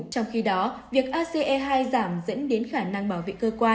trong khi đó việc ase hai giảm dẫn đến khả năng bảo vệ cơ quan